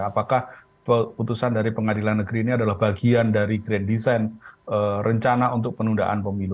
apakah putusan dari pengadilan negeri ini adalah bagian dari grand design rencana untuk penundaan pemilu